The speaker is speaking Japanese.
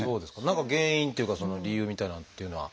何か原因っていうかその理由みたいなのっていうのは。